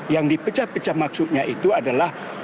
yang dipecah pecah maksudnya itu adalah